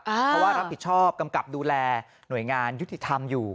เพราะว่ารับผิดชอบกำกับดูแลหน่วยงานยุติธรรมอยู่